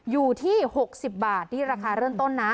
อยู่ที่๖๐บาทนี่ราคาเริ่มต้นนะ